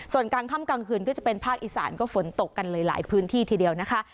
ส่วนกลางค่ำกลางคืนก็จะเป็นภาคอีสานก็ฝนตกกันเลยหลายพื้นที่ทีเดียวนะคะ